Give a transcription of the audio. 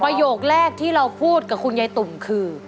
ประโยคแรกที่เราพูดกับคุณยายตุ่มคือ